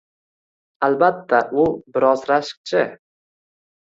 Albatta u bir oz rashkchi.